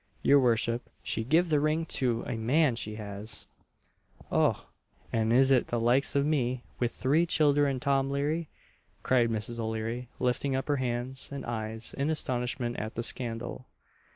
Your worship, she gived the ring to a man she has!" "Och! an is it the likes of me, with three childer and Tom Leary!" cried Mrs. O'Leary, lifting up her hands and eyes in astonishment at the scandal.